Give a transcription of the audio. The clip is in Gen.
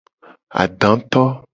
Adato.